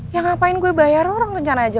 ya ngapain gue bayar orang rencana aja